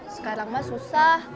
sekarang mah susah